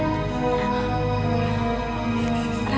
jangan meninggalkan bunda sendiri ya